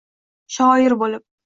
Shoir bo’lib